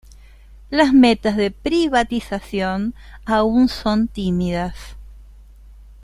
Las metas de privatización aún son tímidas.